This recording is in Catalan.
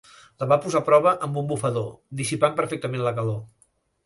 La va posar a prova amb un bufador, dissipant perfectament la calor.